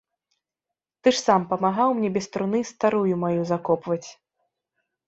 Ты ж сам памагаў мне без труны старую маю закопваць.